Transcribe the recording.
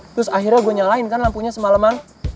terus akhirnya gue nyalain kan lampunya semaleman